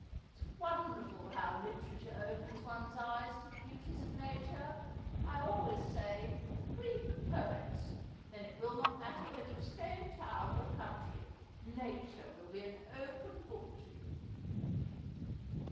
"It's wonderful how literature opens one's eyes to the beauties of nature. I always say 'Read the poets,' then it will not matter whether you stay in town or country, nature will be an open book to you."